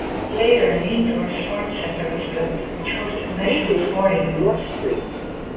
Later an indoor sports centre was built, which hosted national sporting events.